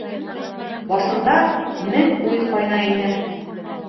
Башында мең уй ҡайнай ине.